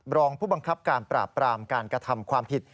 รองผู้บังคับการปราบปรามการกระทำความผิด